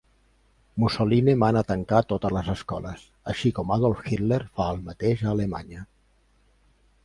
Mussolini mana tancar totes les escoles, així com Adolf Hitler fa el mateix a Alemanya.